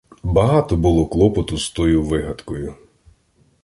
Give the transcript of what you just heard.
Багато було клопоту з тою вигадкою.